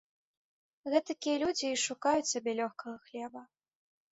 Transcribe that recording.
Гэтакія людзі й шукаюць сабе лёгкага хлеба.